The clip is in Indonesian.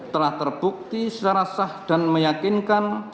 telah terbukti secara sah dan meyakinkan